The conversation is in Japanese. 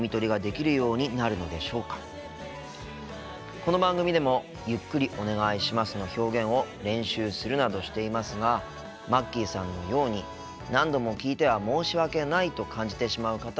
この番組でも「ゆっくりお願いします」の表現を練習するなどしていますがまっきーさんのように何度も聞いては申し訳ないと感じてしまう方もいらっしゃいますよね。